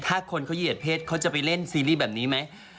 ถ้าคนเขาเหยียดเพศเขาจะไปเล่นซีรีส์แบบนี้ไหม